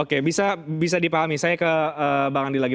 oke bisa dipahami saya ke bang andi lagi